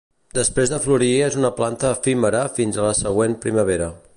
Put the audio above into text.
Després de florir és una planta efímera fins a la següent primavera.